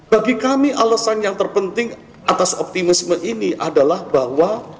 bagi kami alasan yang terpenting atas optimisme ini adalah bahwa